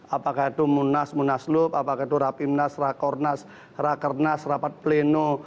apakah itu munas munaslup apakah itu rapimnas rakornas rakernas rapat pleno